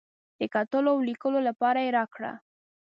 د کتلو او لیکلو لپاره یې راکړه.